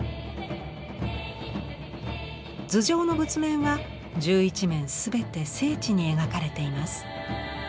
頭上の仏面は十一面全て精緻に描かれています。